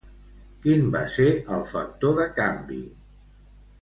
Quin va ser el factor de canvi?